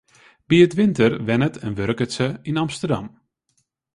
By 't winter wennet en wurket se yn Amsterdam.